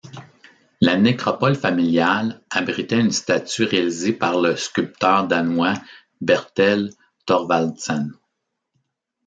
La nécropole familiale abritait une statue réalisée par le sculpteur danois Bertel Thorvaldsen.